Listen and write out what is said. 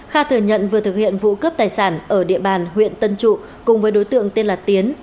kha thừa nhận vừa thực hiện vụ cướp tài sản ở địa bàn huyện tân trụ cùng với đối tượng tên là tiến